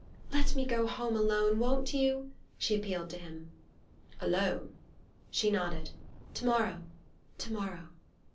"Let me go home alone, won't you?" she appealed to him. "Alone?" She nodded. "To morrow to morrow...."